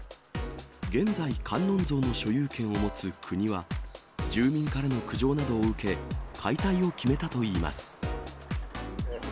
現在、観音像の所有権を持つ国は、住民からの苦情などを受け、解体を決めたといいます。